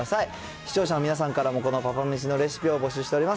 視聴者の皆さんからも、このパパめしのレシピを募集しております。